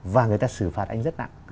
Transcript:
và người ta xử phạt anh rất nặng